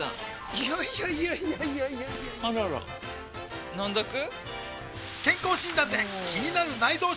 いやいやいやいやあらら飲んどく？